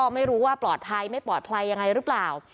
ไม่รู้ว่าปลอดภัยไม่ปลอดไพรอะไรอย่างไรหรือเปล่า